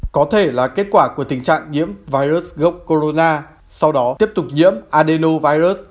có thể là kết quả của tình trạng nhiễm virus corona sau đó tiếp tục nhiễm adenovirus